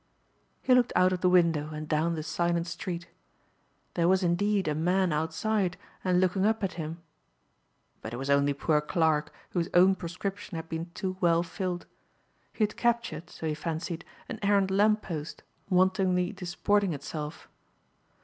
He looked out of the window and down the silent street. There was indeed a man outside and looking up at him. But it was only poor Clarke whose own prescription had been too well filled. He had captured, so he fancied, an errant lamppost wantonly disporting itself.